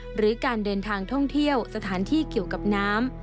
หรือการเดินทางท่องเที่ยวสถานที่เกี่ยวกับน้ำ